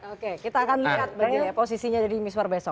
oke kita akan lihat posisinya dedy mezwar besok